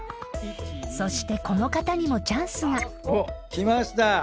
［そしてこの方にもチャンスが］きました。